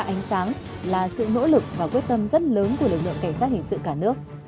ánh sáng là sự nỗ lực và quyết tâm rất lớn của lực lượng cảnh sát hình sự cả nước